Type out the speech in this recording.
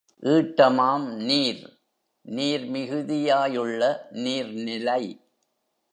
ஈட்டமாம் நீர்—நீர் மிகுதியாயுள்ள நீர்நிலை.